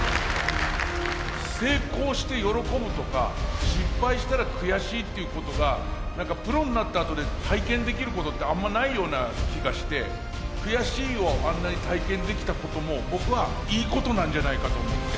成功して喜ぶとか失敗したら悔しいっていうことが何かプロになったあとで体験できることってあんまないような気がして「悔しい」をあんなに体験できたことも僕はいいことなんじゃないかと思って。